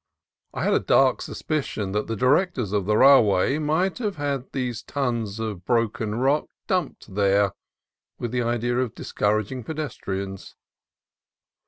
I had a dark suspicion that the directors of the railway might have had these thousands of tons of broken rock dumped here, with the idea of discouraging pedestrians.